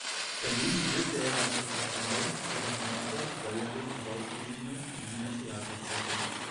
Daneben wirkte er als Korrespondent für die von Adolf Bäuerle herausgegebene "Wiener Theaterzeitung".